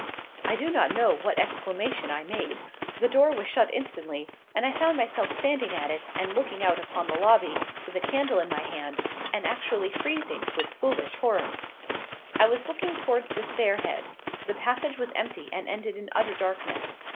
I do not know what exclamation I made. The door was shut instantly, and I found myself standing at it, and looking out upon the lobby, with a candle in my hand, and actually freezing with foolish horror. I was looking towards the stair head. The passage was empty and ended in utter darkness.